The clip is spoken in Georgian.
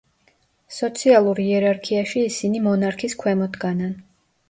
სოციალურ იერარქიაში ისინი მონარქის ქვემოთ დგანან.